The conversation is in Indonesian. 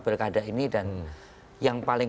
pilkada ini dan yang paling